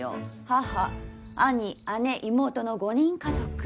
母兄姉妹の５人家族。